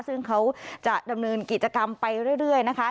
ซึ่งเขาจะดำเนินกิจกรรมไปเรื่อยนะคะ